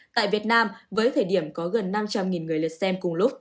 tại việt nam với thời điểm có gần năm trăm linh người lượt xem cùng lúc